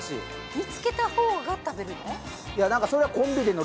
見つけたほうが食べられるの？